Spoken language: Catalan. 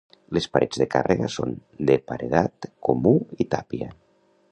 Les parets de càrrega són de paredat comú i tàpia.